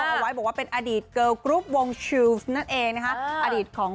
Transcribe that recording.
เอาไว้บอกว่าเป็นอดีตเกิลกรุ๊ปวงชิลส์นั่นเองนะคะอดีตของ